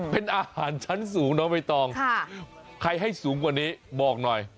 เป็นอาหารชั้นสูงน้องใบตองใครให้สูงกว่านี้บอกหน่อย